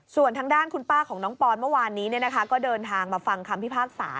ส่วนทางด้านคุณป้าของน้องปอนเมื่อวานนี้ก็เดินทางมาฟังคำพิพากษา